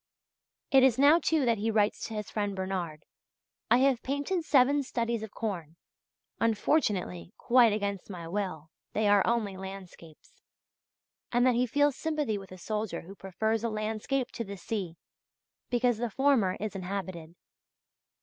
It is now, too, that he writes to his friend Bernard: "I have painted seven studies of corn; unfortunately quite against my will, they are only landscapes" (page 75), and that he feels sympathy with a soldier who prefers a landscape to the sea, because the former is inhabited (page 85).